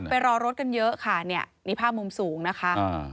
รอรถกันเยอะค่ะเนี่ยนี่ภาพมุมสูงนะคะ